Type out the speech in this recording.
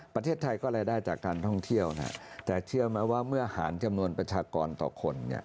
ประเทศไทยก็รายได้จากการท่องเที่ยวแต่เชื่อไหมว่าเมื่อหารจำนวนประชากรต่อคน